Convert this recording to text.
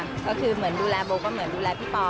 ก็คือเหมือนดูแลโบก็เหมือนดูแลพี่ปอ